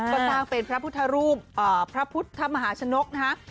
ก็สร้างเป็นพระพุทธรูปพระพุทธมหาชนกนะฮะ